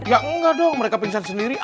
ya enggak dong mereka pingsan sendiri